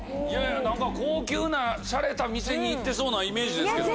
何か高級なシャレた店に行ってそうなイメージですけど。